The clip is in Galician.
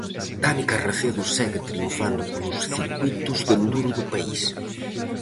Dani Carracedo segue triunfando polos circuítos de enduro do país.